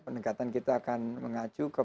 pendekatan kita akan menggunakan